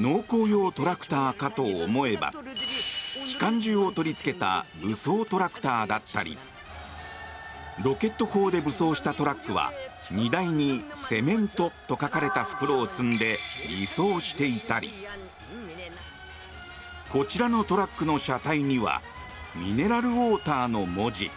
農耕用トラクターかと思えば機関銃を取り付けた武装トラクターだったりロケット砲で武装したトラックは荷台にセメントと書かれた袋を積んで偽装していたりこちらのトラックの車体にはミネラルウォーターの文字。